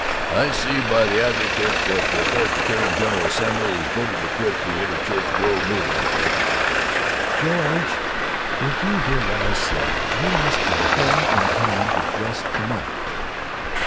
"Uh huh. I see by the Advocate that the Presbyterian General Assembly has voted to quit the Interchurch World Movement. That " "George! Did you hear what I said? You must be home in time to dress to night."